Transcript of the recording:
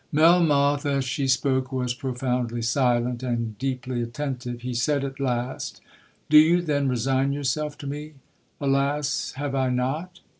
'Melmoth, as she spoke, was profoundly silent, and deeply attentive. He said at last, 'Do you then resign yourself to me?'—'Alas! have I not?'